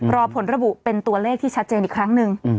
รอผลระบุเป็นตัวเลขที่ชัดเจนอีกครั้งหนึ่ง